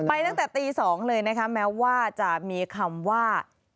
ตั้งแต่ตี๒เลยนะคะแม้ว่าจะมีคำว่า